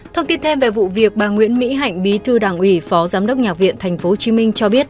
thông tin thêm về vụ việc bà nguyễn mỹ hạnh bí thư đảng ủy phó giám đốc nhạc viện tp hcm cho biết